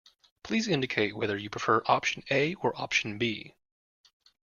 Please indicate whether you prefer option A or option B